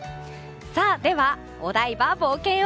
では、お台場冒険王。